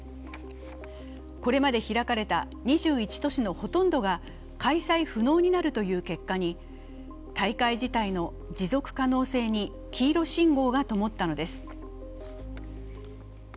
これまで開かれた２１都市のほとんどが開催不能になるという結果に大会自体の持続可能性に黄色信号がともったのです。